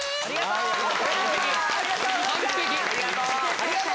ありがとう！